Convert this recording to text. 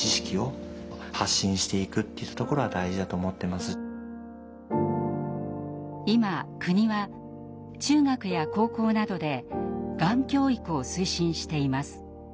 もうだから今国は中学や高校などでがん教育を推進しています。